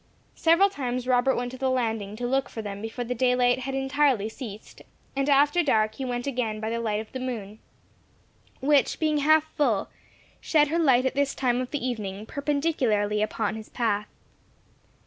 Several times Robert went to the landing to look for them before the daylight had entirely ceased; and after dark he went again by the light of the moon, which, being half full, shed her light at this time of the evening perpendicularly upon his path.